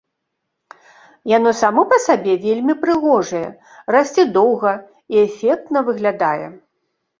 Яно само па сабе вельмі прыгожае, расце доўга і эфектна выглядае.